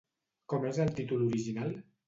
Com és el títol original?